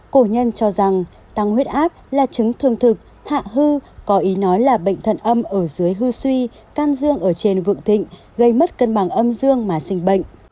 cổ nhân cho rằng tăng huyết áp là chứng thương thực hạ hư có ý nói là bệnh thận âm ở dưới hư suy can dương ở trên vượng thịnh gây mất cân bằng âm dương mà sinh bệnh